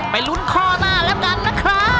ลุ้นข้อหน้าแล้วกันนะครับ